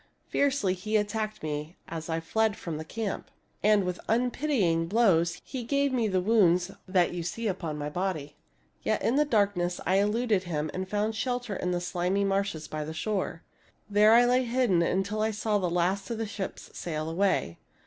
Fiercely he attacked me as I fled from the camp, and with unpitying blows he gave me the wounds that you see upon my body. Yet in the darkness I eluded him and found shelter in the slimy marshes by the shore. There I lay hidden till I saw the last of the ships sail away.